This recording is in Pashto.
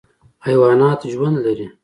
حیوانات ژوند لري.